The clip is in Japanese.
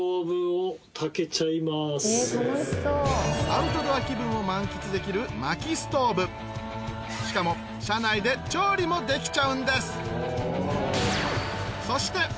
アウトドア気分を満喫できる薪ストーブしかも車内で調理もできちゃうんです